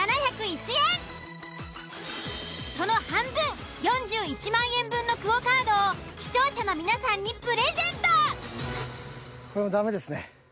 その半分４１万円分のＱＵＯカードを視聴者の皆さんにプレゼント！